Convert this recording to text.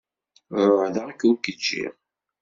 Ԑuhdeɣ-k ur k-ǧǧiɣ.